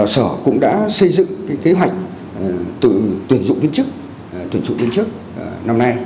sở cũng đã xây dựng kế hoạch tuyển dụng viên chức năm nay